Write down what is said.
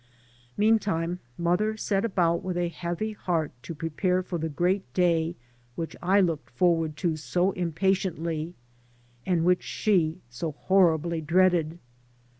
Meantime mother set about with a heavy heart to prepare for the great day which I looked forward to so impatiently and which she so horribly dreaded.